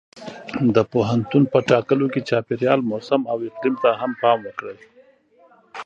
د پوهنتون په ټاکلو کې چاپېریال، موسم او اقلیم ته هم پام وکړئ.